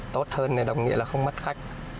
tốt hơn đồng nghĩa là không mất khách